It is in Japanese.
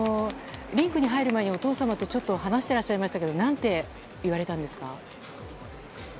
リンクに入る前に、お父様と話してらっしゃいましたが何て言われたんですか？